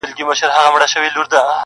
• څارونوال ویله پلاره نې کوومه,